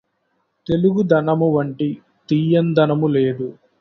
తెలుగుదనమువంటి తీయందనము లేదు